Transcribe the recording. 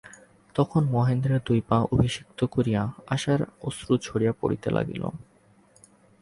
তখন মহেন্দ্রের দুই পা অভিষিক্ত করিয়া আশার অশ্রু ঝরিয়া পড়িতে লাগিল।